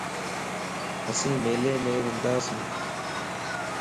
اسين ميليءَ مَ ونداسين